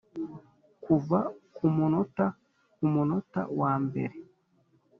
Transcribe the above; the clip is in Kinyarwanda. kuva kumunota kumunota wambere